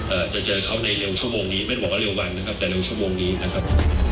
จะเจอเขาในเร็วชั่วโมงนี้ไม่ได้บอกว่าเร็ววันนะครับแต่เร็วชั่วโมงนี้นะครับ